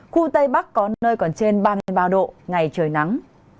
khu tây bắc có nơi còn trên ba mươi ba độ ngày trời nắng